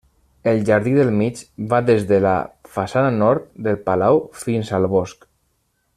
El jardí del mig va des de la façana nord del palau fins al bosc.